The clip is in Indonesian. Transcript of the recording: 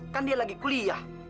kan dia lagi kuliah